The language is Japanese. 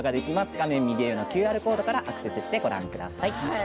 画面右上のＱＲコードからアクセスしてみてください。